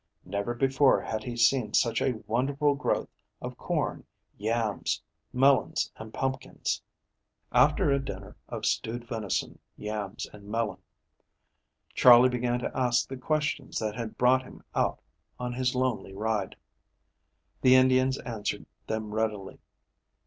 Never before had he seen such a wonderful growth of corn, yams, melons, and pumpkins. After a dinner of stewed venison, yams, and melon, Charley began to ask the questions that had brought him out on his lonely ride. The Indians answered them readily.